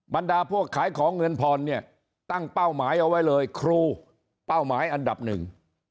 บรรดาพวกขายของเงินผ่อนเนี่ยตั้งเป้าหมายเอาไว้เลยครูเป้าหมายอันดับหนึ่ง